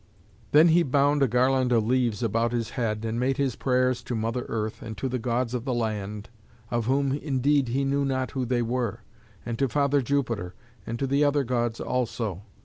Then he bound a garland of leaves about his head, and made his prayers to Mother Earth, and to the gods of the land, of whom indeed he knew not who they were, and to Father Jupiter, and to the other gods also.